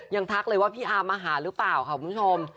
ทักเลยว่าพี่อาร์มาหาหรือเปล่าค่ะคุณผู้ชม